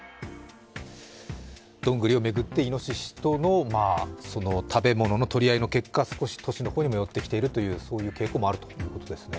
どんぐりを巡ってイノシシとの食べ物の取り合いの結果少し都市の方にも寄ってきている傾向もあるということですね。